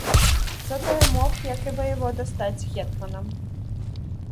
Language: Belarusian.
Затое мог, як і ваявода, стаць гетманам.